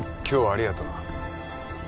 今日はありがとな。